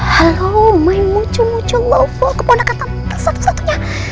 halo my mucu mucu lovo keponakan tante satu satunya